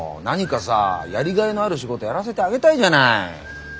何かさやりがいのある仕事やらせてあげたいじゃない？